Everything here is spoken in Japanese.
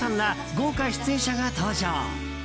豪華出演者が登場。